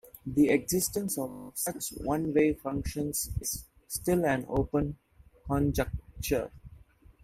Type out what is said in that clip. The existence of such one-way functions is still an open conjecture.